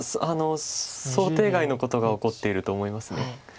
想定外のことが起こっていると思います。